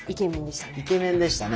イケメンでしたね。